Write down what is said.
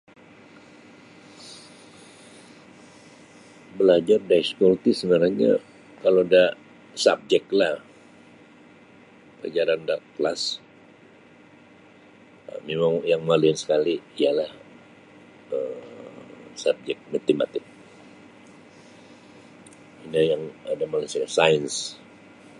Balajar da iskul ti sabanarnyo kalau da sabjeklah pelajaran da klas um mimang yang molin sekali ialah um sabjek mitematik ino yang ada molin sains.